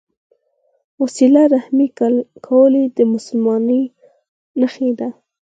وسیله رحمي کول د مسلمانۍ نښه ده.